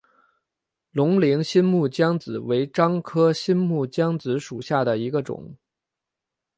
龙陵新木姜子为樟科新木姜子属下的一个种。